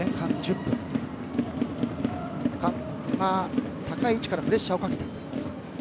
韓国が高い位置からプレッシャーをかけています。